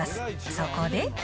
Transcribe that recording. そこで。